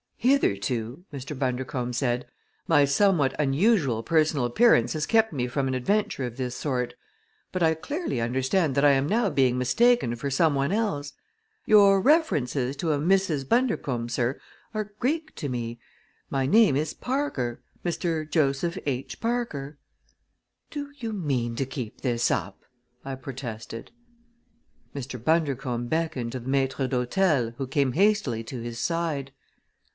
"Hitherto," Mr. Bundercombe said, "my somewhat unusual personal appearance has kept me from an adventure of this sort, but I clearly understand that I am now being mistaken for some one else. Your references to a Mrs. Bundercombe, sir, are Greek to me. My name is Parker Mr. Joseph H. Parker." "Do you mean to keep this up?" I protested. Mr. Bundercombe beckoned to the maître d'hôtel who came hastily to his side.